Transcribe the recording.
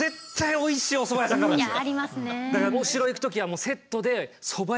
おいしいおそば屋さんがあるんですよ。